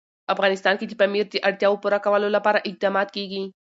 افغانستان کې د پامیر د اړتیاوو پوره کولو لپاره اقدامات کېږي.